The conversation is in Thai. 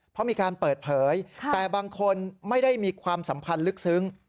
เพราะมีการเปิดเผยแต่บางคนไม่ได้มีความสัมพันธ์ลึกซึ้ง